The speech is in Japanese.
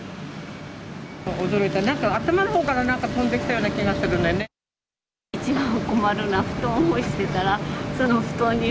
驚いた、なんか頭のほうから、なんか飛んできたような気がするのよね。